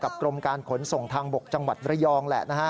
กรมการขนส่งทางบกจังหวัดระยองแหละนะฮะ